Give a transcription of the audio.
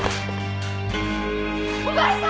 お前さん！